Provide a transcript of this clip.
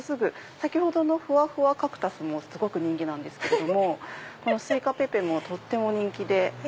先ほどのフワフワカクタスもすごく人気なんですけどもこのスイカペペもとっても人気で。